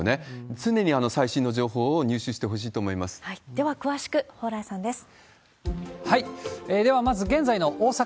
常に最新の情報を入手してほしいでは詳しく、蓬莱さんです。